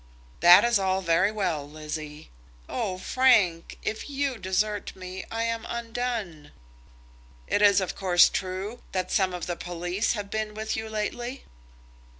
"That is all very well, Lizzie." "Ah, Frank! if you desert me, I am undone." "It is, of course, true that some of the police have been with you lately?"